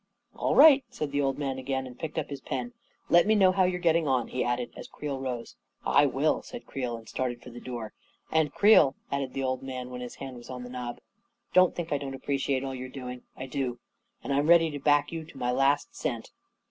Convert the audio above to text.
44 All right," said the old man again, and picked up his ;>en. 44 Let me know how you're getting, on," he atided, as Creel rose. 44 1 will," said Creel, and started for the door. 44 And, Creel," added the old man, when his hand was on the knob ;" don't think I don't appreciate all you're doing. I do. And I'm ready to back you to my last cent."